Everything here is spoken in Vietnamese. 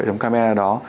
hệ thống camera đó